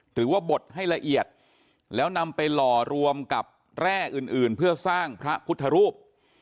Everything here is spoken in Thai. หรือว่าบดให้ละเอียดแล้วนำไปหล่อรวมกับแร่อื่นเพื่อสร้างพระพุทธรูป